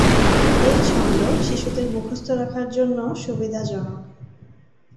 এই ছন্দ শিশুদের মুখস্থ রাখার জন্যেও সুবিধাজনক।